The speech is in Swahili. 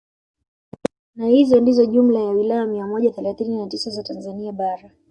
Na hizo ndizo jumla ya wilaya mia moja thelathini na tisa za Tanzania bara